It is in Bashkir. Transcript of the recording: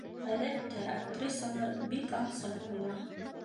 Ғәҙәттә, актрисалар бик алсаҡ була.